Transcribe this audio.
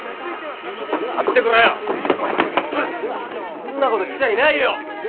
そんなことしちゃいないよ！